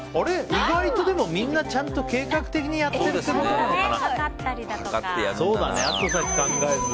意外とみんな計画的にやってるってことなのかな。